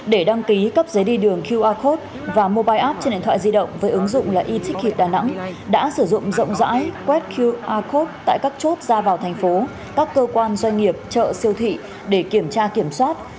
để đăng ký cấp giấy đi đường qr code và mobile app trên điện thoại di động với ứng dụng là etick hep đà nẵng đã sử dụng rộng rãi quét qr code tại các chốt ra vào thành phố các cơ quan doanh nghiệp chợ siêu thị để kiểm tra kiểm soát